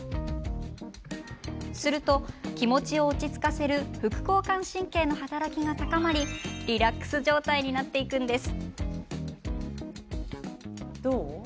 すると、気持ちを落ち着かせる副交感神経の働きが高まりリラックス状態になっていくんです。